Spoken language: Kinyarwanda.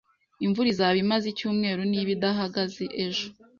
Imvura izaba imaze icyumweru niba idahagaze ejo.